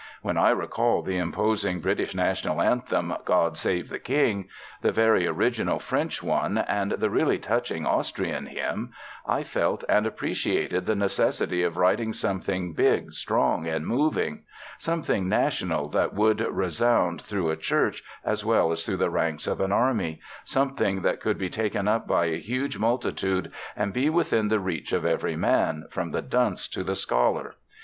When I recalled the imposing British national anthem, 'God Save the King,' the very original French one and the really touching Austrian hymn, I felt and appreciated the necessity of writing something big, strong and moving; something national that should resound through a church as well as through the ranks of an army; something that could be taken up by a huge multitude and be within the reach of every man, from the dunce to the scholar.